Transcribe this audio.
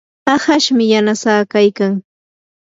ahashmi yanasaa kaykan.